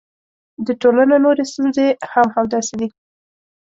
د ټولنو نورې ستونزې هم همداسې دي.